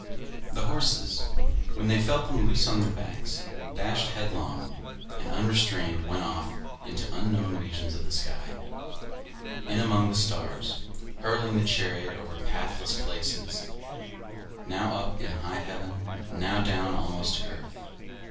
The horses, when they felt them loose on their backs, dashed headlong, and unrestrained went off into unknown regions of the sky, in among the stars, hurling the chariot over pathless places, now up in high heaven, now down almost to the earth.